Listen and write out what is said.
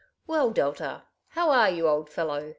" Well, Delta, how are you, old fellow